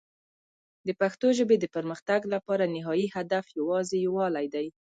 د پښتو ژبې د پرمختګ لپاره نهایي هدف یوازې یووالی دی.